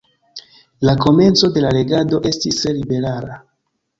La komenco de la regado estis tre liberala.